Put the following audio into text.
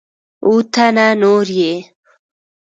اووه تنه نور یې